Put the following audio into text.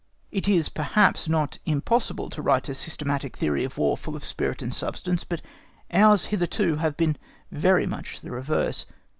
It is, perhaps, not impossible to write a systematic theory of War full of spirit and substance, but ours hitherto, have been very much the reverse.